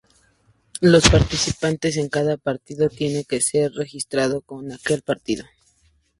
Los participantes en cada partido tiene que ser registrado con aquel partido.